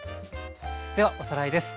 ではおさらいです。